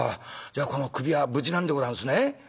じゃあこの首は無事なんでございますね？」。